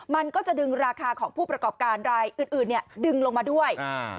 มันก็จะดึงราคาของผู้ประกอบการรายอื่นดึงลงมาด้วย